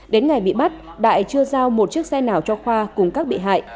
đến ngày bị bắt đại chưa giao một chiếc xe nào cho khoa cùng các bị hại